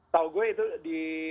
tau gue itu di